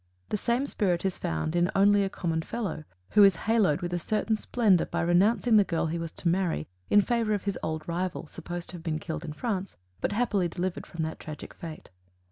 The same spirit is found in "Only a Common Fellow," who is haloed with a certain splendor by renouncing the girl he was to marry in favor of his old rival, supposed to have been killed in France, but happily delivered from that tragic fate.